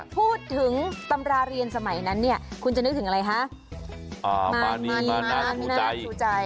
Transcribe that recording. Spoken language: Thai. พูดถึงตำราเรียนสมัยนั้นเนี่ยคุณจะนึกถึงอะไรคะน่าชูใจ